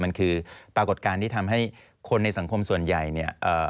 มันคือปรากฏการณ์ที่ทำให้คนในสังคมส่วนใหญ่เนี่ย